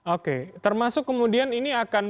oke termasuk kemudian ini akan